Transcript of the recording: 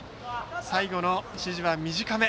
最後の指示は短め。